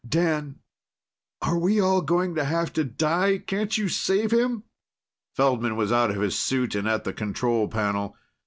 Dan, are we all going to have to die? Can't you save him?" Feldman was out of his suit and at the control panel.